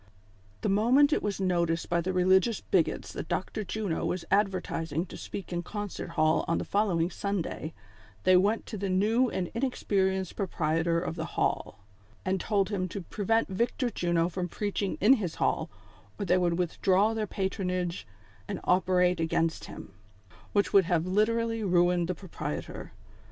The moment it was noticed by the religious bigots that Dr. Juno was advertising to speak in Concert Hall on the following Sunday, they went to the new and inexperienced proprietor of the hall, and told him to prevent Victor Juno from preaching in his hall, or they would withdraw their patronage and operate acfainst him, which would have literally ruined the proprietor.